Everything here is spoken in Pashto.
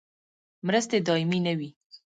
مرستې دایمي نه وي